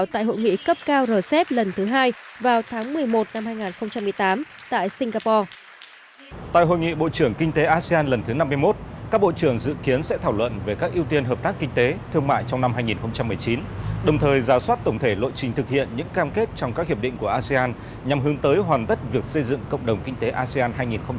tại hội nghị bộ trưởng kinh tế asean lần thứ năm mươi một các bộ trưởng dự kiến sẽ thảo luận về các ưu tiên hợp tác kinh tế thương mại trong năm hai nghìn một mươi chín đồng thời giả soát tổng thể lộ trình thực hiện những cam kết trong các hiệp định của asean nhằm hướng tới hoàn tất việc xây dựng cộng đồng kinh tế asean hai nghìn hai mươi năm